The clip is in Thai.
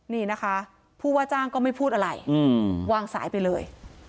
นี่นะคะผู้ว่าจ้างก็ไม่พูดอะไรวางสายไปเลย